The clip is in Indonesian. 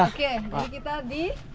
oke jadi kita di